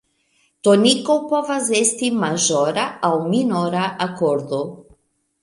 Toniko povas esti maĵora aŭ minora akordo.